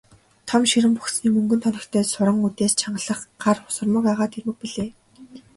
Том ширэн богцны мөнгөн тоногтой суран үдээс чангалах гар сурмаг агаад эрмэг билээ.